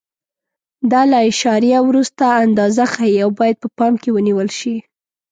دا له اعشاریه وروسته اندازه ښیي او باید په پام کې ونیول شي.